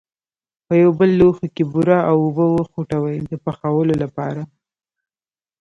په یو بل لوښي کې بوره او اوبه وخوټوئ د پخولو لپاره.